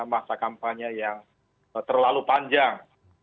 masa kampanye yang terlalu panjang